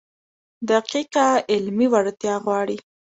دقیقه علمي وړتیا غواړي.